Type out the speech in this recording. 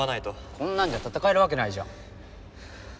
こんなんじゃ戦えるわけないじゃん。